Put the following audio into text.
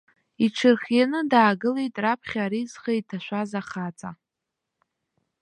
Иҽырхианы даагылеит раԥхьа ари зхы иҭашәаз ахаҵа.